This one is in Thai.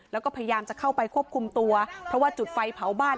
แล้วก็พยายามจะเข้าไปควบคุมตัวเพราะว่าจุดไฟเผาบ้าน